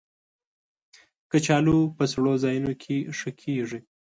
کچالو په سړو ځایونو کې ښه کېږي